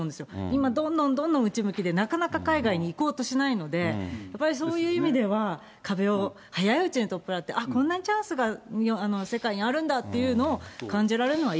今、どんどんどんどん内向きで、なかなか海外に行こうとしないので、やっぱりそういう意味では、壁を早いうちに取っ払って、ああ、こんなチャンスが世界にあるんだっていうのを、感じられるのはい